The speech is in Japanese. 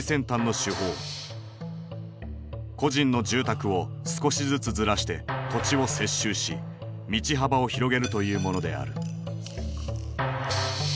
個人の住宅を少しずつずらして土地を接収し道幅を広げるというものである。